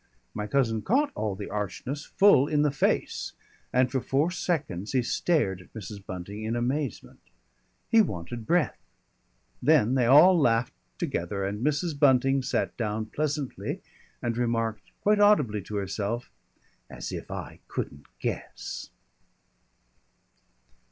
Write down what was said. ] My cousin caught all the archness full in the face, and for four seconds he stared at Mrs. Bunting in amazement. He wanted breath. Then they all laughed together, and Mrs. Bunting sat down pleasantly and remarked, quite audibly to herself, "As if I couldn't guess."